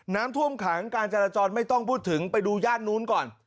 น้ำท่วมขังการจราจรไม่ต้องพูดถึงไปดูย่านนู้นก่อน